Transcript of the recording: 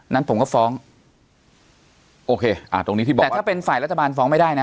นั้นผมก็ฟ้องโอเคอ่าตรงนี้ที่บอกแต่ถ้าเป็นฝ่ายรัฐบาลฟ้องไม่ได้นะ